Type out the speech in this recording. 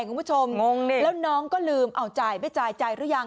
งงดิแล้วน้องก็ลืมเอาจ่ายไม่จ่ายจ่ายหรือยัง